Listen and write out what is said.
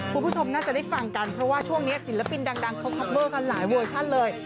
คุณผู้ชมน่าจะได้ฟังกันเพราะว่าช่วงนี้ศิลปินดังเขาคอปเวอร์กันหลายเวอร์ชั่นเลย